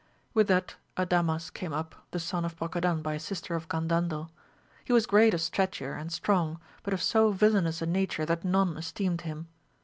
With that Adamas came up, the son of Brocadan by a sister of Gandandel ; he was great of stature and strong, but of so villainous a nature that none esteemed him.